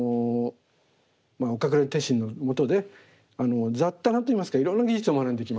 岡倉天心のもとで雑多なといいますかいろんな技術を学んでいきます。